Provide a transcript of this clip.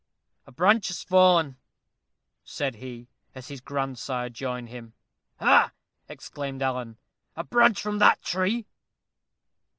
"A branch has fallen," said he, as his grandsire joined him. "Ha!" exclaimed Alan, "a branch from that tree?"